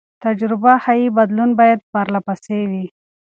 تجربه ښيي بدلون باید پرله پسې وي.